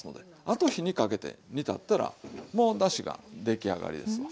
あと火にかけて煮立ったらもうだしが出来上がりですわ。